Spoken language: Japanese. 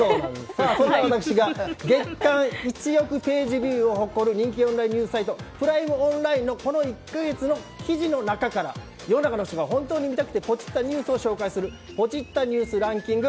そんな私が月間１億ページビューを誇る人気オンラインニュースサイトプライムオンラインのこの１か月の記事の中から世の中の人が本当に見たくてポチったニュースを紹介するポチッたニュースランキング。